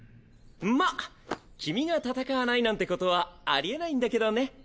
まっ君が戦わないなんてことはありえないんだけどね。